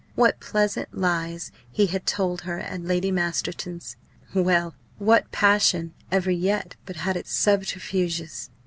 What pleasant lies he had told her at Lady Masterton's! Well! What passion ever yet but had its subterfuges?